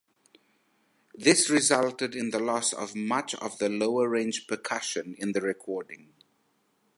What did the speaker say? This resulted in the loss of much of the lower-range percussion in the recording.